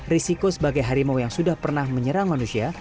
risiko sebagai harimau yang sudah pernah menyerang manusia